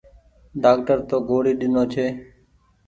ڍآڪٽر تو گوڙي ۮينو ڇي۔